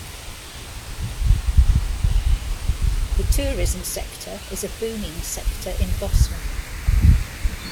The tourism sector is a booming sector in Goslar.